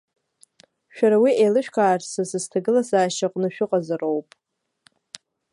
Шәара уи еилышәкаарц азы сҭагылазаашьаҟны шәыҟазароуп.